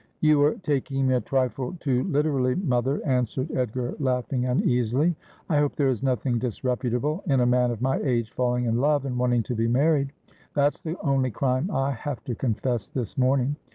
' You are taking me a trifle too literally, mother,' answered Edgar, laughing uneasily. ' I hope there is nothing disreputable in a man of my age falling in love and wanting to be married. That's the only crime I have to confess this morning.